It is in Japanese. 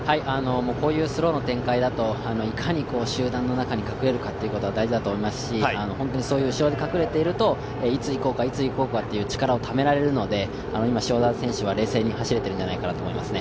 こういうスローの展開だと、いかに集団の中に隠れるかということは大事だと思いますし、そういう後ろに隠れているといつ行こうか、いつ行こうかという力をためられるので今、塩澤選手は冷静に走れているんじゃないですかね。